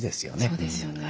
そうですよね。